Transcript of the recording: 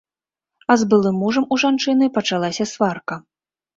А з былым мужам у жанчыны пачалася сварка.